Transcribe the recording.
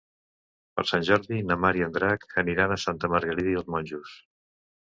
Per Sant Jordi na Mar i en Drac aniran a Santa Margarida i els Monjos.